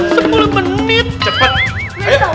cepet ayo waktu berjalan lho